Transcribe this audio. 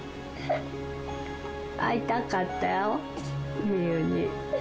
会いたかったよみゆに。